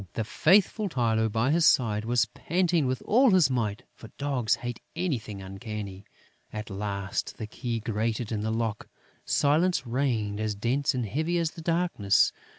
The faithful Tylô, by his side, was panting with all his might, for dogs hate anything uncanny. At last, the key grated in the lock. Silence reigned as dense and heavy as the darkness.